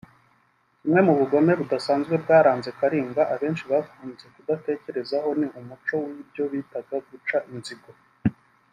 Kimwe mu bugome budasanzwe bwa kalinga abenshi bakunze kudatekerezaho ni umuco w’ibyo bitaga guca inzigo